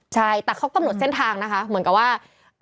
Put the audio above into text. ใช่แต่เขากำหนดเส้นทางนะคะเหมือนกับว่า